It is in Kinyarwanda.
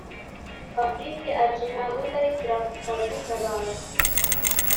fabric ati”ntabwo ndahitira aho kukazi ndabanza